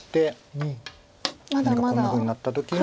何かこんなふうになった時に。